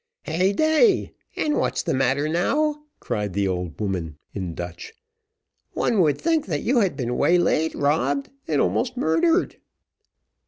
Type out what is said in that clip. "Hey day! and what's the matter now?" cried the old woman, in Dutch; "one would think that you had been waylaid, robbed, and almost murdered."